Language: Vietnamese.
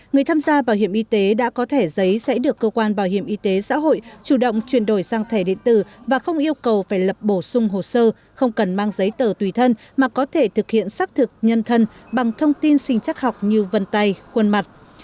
người tham gia bảo hiểm y tế đã có thẻ giấy sẽ được cơ quan bảo hiểm y tế xã hội chủ động chuyển đổi sang thẻ điện tử và không yêu cầu phải lập bổ sung hồ sơ không cần mang giấy tờ tùy thân mà có thể thực hiện xác thực nhân thân bằng thông tin sinh chắc học như vân tay quân mặt